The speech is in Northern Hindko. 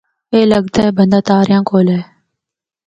اے لگدا اے بندہ تاریاں کول اے۔